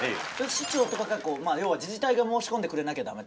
市長とかがまあ要は自治体が申し込んでくれなきゃダメ。